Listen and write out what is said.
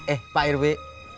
eh pak irwi